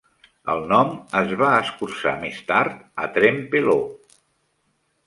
El nom es va escurçar més tard a Trempealeau.